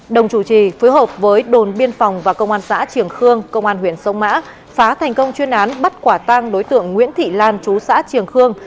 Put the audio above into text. đồng chủ trì phối hợp với đồn biên phòng và công an xã trường khương công an huyện sông mã phá thành công chuyên án bắt quả tang đối tượng nguyễn thị lan chú xã triềng khương